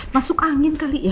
masuk angin kali ya